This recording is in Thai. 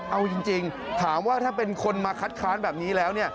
เอาจริงถามว่าถ้าเป็นคนมาคัดค้านแบบนี้แล้ว